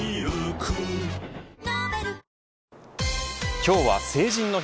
今日は成人の日。